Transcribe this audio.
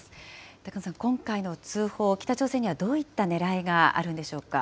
高野さん、今回の通報、北朝鮮にはどういったねらいがあるんでしょうか。